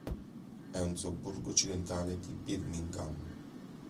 È un sobborgo occidentale di Birmingham